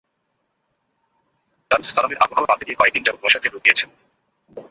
দারুস সালামের আবহাওয়া পাল্টে গিয়ে কয়েক দিন যাবৎ বৈশাখের রূপ নিয়েছিল।